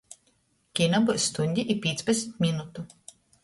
Kina byus stuņdi i pīcpadsmit minutu.